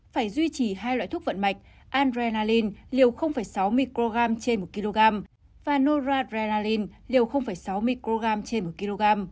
phải duy trì hai loại thuốc vận mạch adrenaline liều sáu mcg trên một kg và noradrenaline liều sáu mcg trên một kg